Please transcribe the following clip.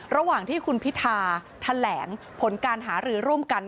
ระหว่างที่คุณพิธาแถลงผลการหารือร่วมกัน